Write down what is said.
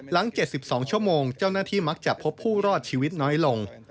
๗๒ชั่วโมงเจ้าหน้าที่มักจะพบผู้รอดชีวิตน้อยลง